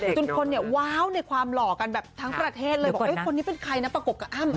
จนคนเนี่ยว้าวในความหล่อกันแบบทั้งประเทศเลยบอกคนนี้เป็นใครนะประกบกับอ้ำ